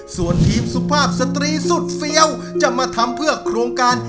ส่วนทีมสุภาพสตรีสุดเฟี้ยวจะมาทำเพื่อโครงการ